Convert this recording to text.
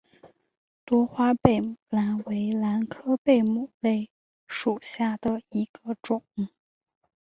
多花贝母兰为兰科贝母兰属下的一个种。